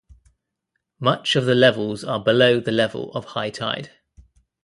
Much of the Levels are below the level of high tide.